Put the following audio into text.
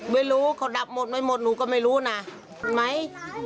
ไม่รู้เขาดับหมดไม่หมดหนูก็ไม่รู้นะไหม